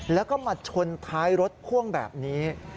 แล้วก็มาชนท้ายรถพ่วงแบบนี้